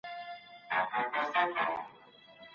او سیوري